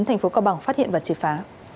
thành phố cao bằng phát hiện và trị phá